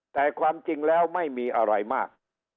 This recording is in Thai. แต่ความจริงแล้วไม่มีอะไรมาก